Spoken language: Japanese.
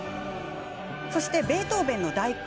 そして「ベートーヴェン第九」